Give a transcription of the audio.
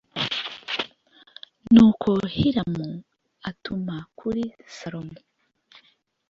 Nuko Hiramu atuma kuri Salomo